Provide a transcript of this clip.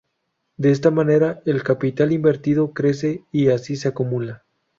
De esta manera el capital invertido crece, y así se acumula.